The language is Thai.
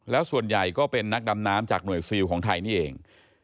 แล้วส่วนใหญ่ก็เป็นนักดำน้ำจากหน่วยซิลของไทยนี่เอง